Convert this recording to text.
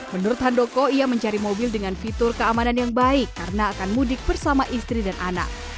menurut handoko ia mencari mobil dengan fitur keamanan yang baik karena akan mudik bersama istri dan anak